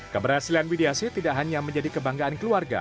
keberhasilan widiasi tidak hanya menjadi kebanggaan keluarga